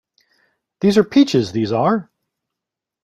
These are peaches, these are.